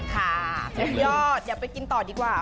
ครับยอดจะไปกินต่อดีกว่า